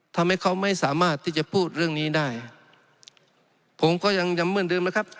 ทำให้เขาไม่สามารถที่จะพูดเรื่องนี้ได้ผมก็ยังย้ำเหมือนเดิมนะครับ